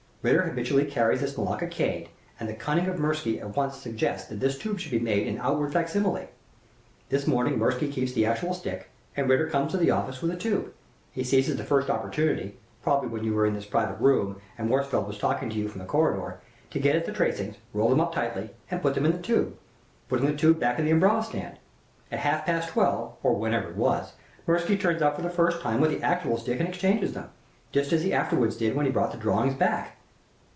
Ritter habitually carries this Malacca cane, and the cunning of Mirsky at once suggests that this tube should be made in outward fac simile. This morning Mirsky keeps the actual stick, and Ritter comes to the office with the tube. He seizes the first opportunity probably when you were in this private room, and Worsfold was talking to you from the corridor to get at the tracings, roll them up tightly, and put them in the tube, putting the tube back into the umbrella stand. At half past twelve, or whenever it was, Mirsky turns up for the first time with the actual stick and exchanges them, just as he afterward did when he brought the drawings back."